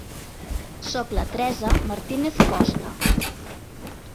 Soc la Teresa Martínez Costa.